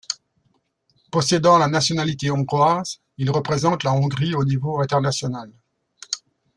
Possédant la nationalité hongroise, il représente la Hongrie au niveau international.